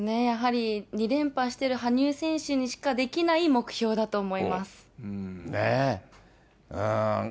やはり２連覇している羽生選手にしかできない目標だと思います。